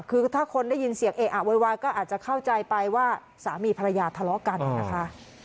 คือถ้าคนได้ยินเสียงเออะโวยวายก็อาจจะเข้าใจไปว่าสามีภรรยาทะเลาะกันนะคะ